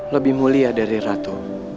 lebih mulia dari ratu